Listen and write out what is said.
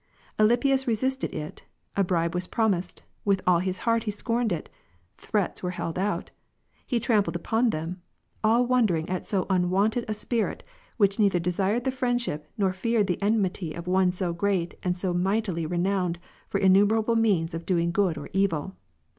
Alypius resisted it : a bribe was promised ; with all his heart he scorned it: threats were held out; he trampled upon them : all wondering at so unwonted a spirit, which neither desired the friendship, nor feared the enmity of one so great and so mightily renowned for innumerable means of doing good or evil.